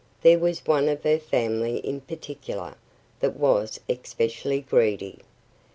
There was one of her family in particular that was especially greedy.